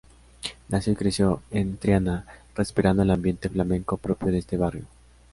Nació y creció en Triana, respirando el ambiente flamenco propio de este barrio.